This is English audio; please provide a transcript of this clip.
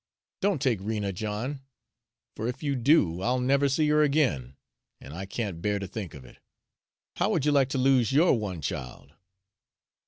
Don't take Rena, John; for if you do, I'll never see her again, an' I can't bear to think of it. How would you like to lose yo'r one child?"